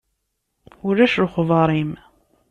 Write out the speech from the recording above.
Ulac lexber-im.